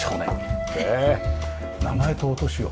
名前とお年を。